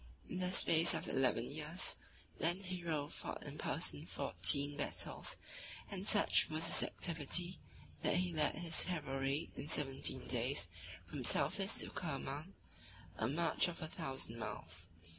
In the space of eleven years, that hero fought in person fourteen battles; and such was his activity, that he led his cavalry in seventeen days from Teflis to Kerman, a march of a thousand miles.